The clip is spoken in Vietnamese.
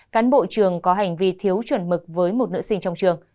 cán bộ trường có hành vi thiếu chuẩn mực với một nữ sinh trong trường